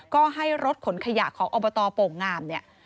ก็ให้รถขนขยะของอบตโป่งงามเนี่ย